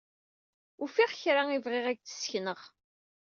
Ufiɣ kra i bɣiɣ ad k-d-ssekneɣ.